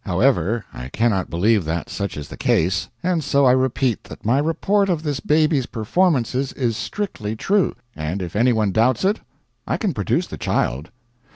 However, I cannot believe that such is the case, and so I repeat that my report of this baby's performances is strictly true; and if any one doubts it, I can produce the child.